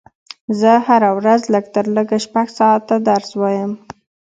زه هره ورځ لږ تر لږه شپږ ساعته درس وایم